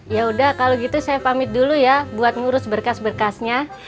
ya udah kalau gitu saya pamit dulu ya buat ngurus berkas berkasnya